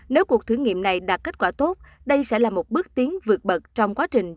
nếu cuộc thử nghiệm này đạt kết quả tốt đây sẽ là một bước tiến vượt bậc trong quá trình